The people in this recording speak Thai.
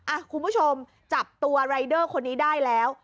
คุณผู้ชมจับตัวรายเดอร์คนนี้ได้แล้ว